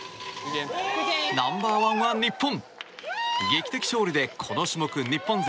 ナンバー１は日本！